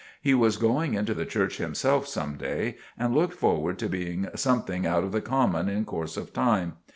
He was going into the Church himself some day, and looked forward to being something out of the common in course of time.